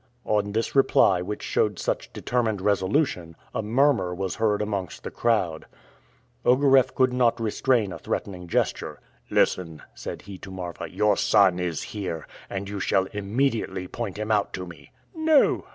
On this reply, which showed such determined resolution, a murmur was heard amongst the crowd. Ogareff could not restrain a threatening gesture. "Listen," said he to Marfa, "your son is here, and you shall immediately point him out to me." "No."